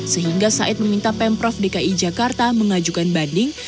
sehingga said meminta pemprov dki jakarta mengajukan banding